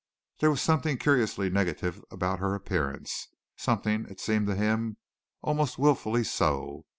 There was something curiously negative about her appearance, something, it seemed to him, almost wilfully so.